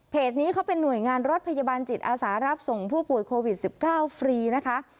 นี้เขาเป็นหน่วยงานรถพยาบาลจิตอาสารับส่งผู้ป่วยโควิด๑๙ฟรีนะคะ